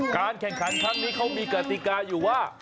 การแข่งขันครั้งนี้เขามีกติกาอยู่ว่า